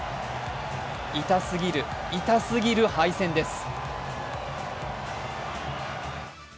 痛すぎる、痛すぎる敗戦です。